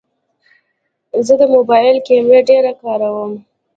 زه د موبایل کیمره ډېره کاروم.